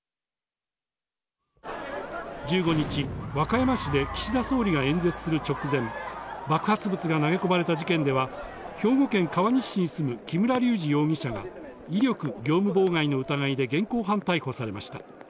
１５日、和歌山市で岸田総理が演説する直前、爆発物が投げ込まれた事件では、兵庫県川西市に住む木村隆二容疑者が、威力業務妨害の疑いで現行犯逮捕されました。